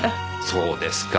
そうですか。